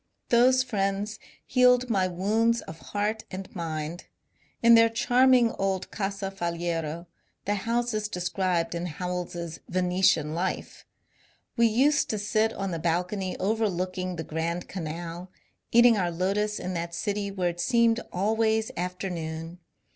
Those friends healed my wounds of heart and mind. In their charming old Casa Faliero — the house is described in Howells's " Venetian Life "— we used to sit on the balcony overlooking the Grand Canal, eating our lotus in that city where it seemed always afternoon.